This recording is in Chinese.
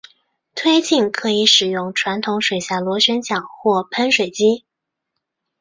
推进可以使用传统水下螺旋桨或喷水机。